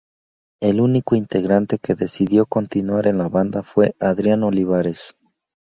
El único integrante que decidió continuar en la banda fue Adrián Olivares.